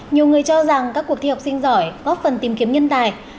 nhiều người cho rằng các cuộc thi học sinh giỏi góp phần tìm kiếm nhân tài